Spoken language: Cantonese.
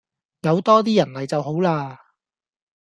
有多啲人嚟就好嘞